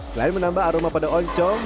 selain menambah aroma pada oncong